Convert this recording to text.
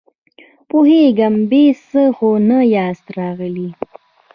پوهېږم، بې څه خو نه ياست راغلي!